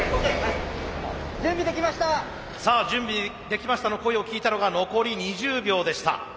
「準備できました」の声を聞いたのが残り２０秒でした。